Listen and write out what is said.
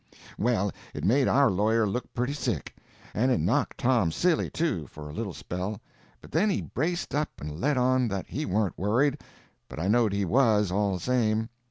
Well, it made our lawyer look pretty sick; and it knocked Tom silly, too, for a little spell, but then he braced up and let on that he warn't worried—but I knowed he was, all the same.